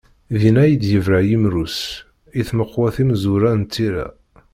Dinna i d-yebra yimru-s, i tmeqwa timezwura n tira.